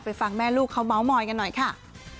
ฟังแม่ลูกเขาเมาส์มอยกันหน่อยค่ะ